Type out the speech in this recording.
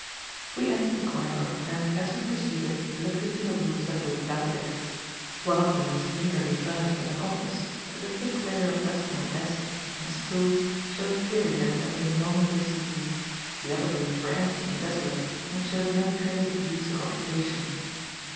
We entered the corridor, and, as we proceeded, looked into the rooms that opened out of it. One of them was meagrely furnished as an office, but the thick layer of dust on the desk and stools showed clearly that it had been long disused; the other rooms were empty and desolate, and showed no trace of use or occupation.